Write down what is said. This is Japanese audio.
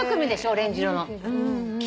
オレンジ色の。